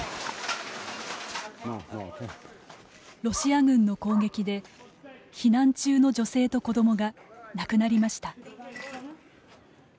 ロシア軍の攻撃で、避難中の女性と子どもが亡くなりました。